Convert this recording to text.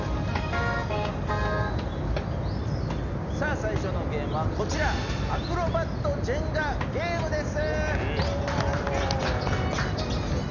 最初のゲームはこちら「アクロバットジェンガゲーム」です。